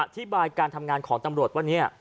อธิบายการทำงานของตำรวจว่าเนี่ย